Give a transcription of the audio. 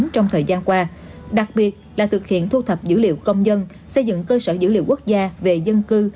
trong thời gian qua đặc biệt là thực hiện thu thập dữ liệu công dân xây dựng cơ sở dữ liệu quốc gia về dân cư